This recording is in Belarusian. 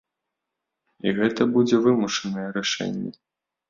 І гэта будзе вымушанае рашэнне.